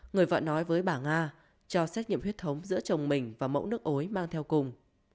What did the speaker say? người vợ nói với bà nga cho xét nghiệm huyết thống giữa chồng mình và mẫu nước ối mang theo cùng